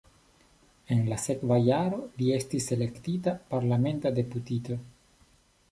En la sekva jaro li estis elektita parlamenta deputito.